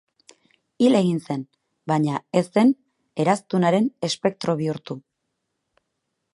Hil egin zen, baina ez zen eraztunaren espektro bihurtu.